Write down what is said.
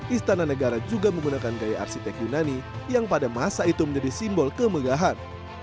istana negara juga menggunakan gaya arsitek yunani yang pada masa itu menjadi simbol kemegahan